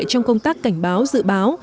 trong công tác cảnh báo dự báo